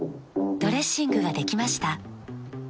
ドレッシングができました。